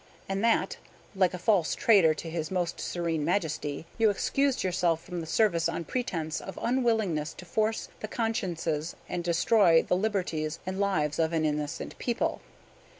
And that, like a false traitor to his Most Serene Majesty, you excused yourself from the service on pretence of unwillingness to force the consciences and destroy the liberties and lives of an innocent people.